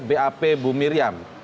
bap bu miriam